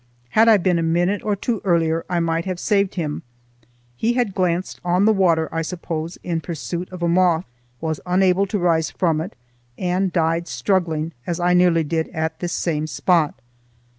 Had I been a minute or two earlier, I might have saved him. He had glanced on the water I suppose in pursuit of a moth, was unable to rise from it, and died struggling, as I nearly did at this same spot.